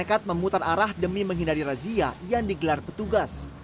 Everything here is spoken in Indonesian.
nekat memutar arah demi menghindari razia yang digelar petugas